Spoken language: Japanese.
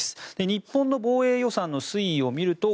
日本の防衛予算の推移を見ると